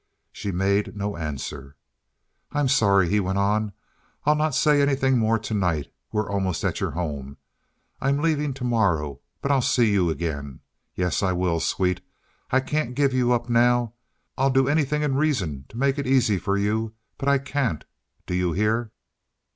She made no answer. "I'm sorry," he went on. "I'll not say anything more to night. We're almost at your home. I'm leaving to morrow, but I'll see you again. Yes, I will, sweet. I can't give you up now. I'll do anything in reason to make it easy for you, but I can't, do you hear?"